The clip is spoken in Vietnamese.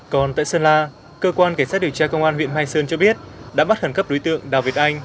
còn tại sơn la cơ quan cảnh sát điều tra công an huyện mai sơn cho biết đã bắt khẩn cấp đối tượng đào việt anh